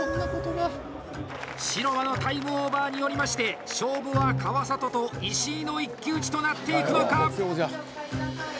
城間のタイムオーバーによりまして、勝負は石井と川里の一騎打ちとなっていくのか！？